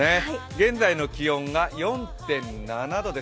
現在の気温が４．７度です。